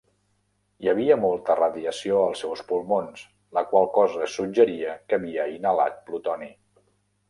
Hi havia molta radiació als seus pulmons, la qual cosa suggeria que havia inhalat plutoni.